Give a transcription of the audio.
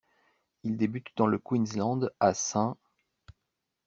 Il débute dans le Queensland à St.